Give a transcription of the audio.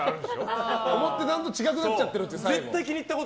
思ってたのと違くなっちゃってると。